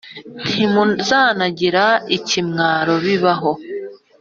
ntimuzanagira ikimwaro bibaho.